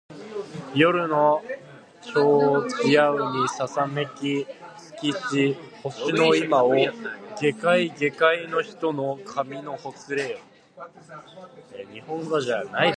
夜の帳ちやうにささめき尽きし星の今を下界げかいの人の髪のほつれよ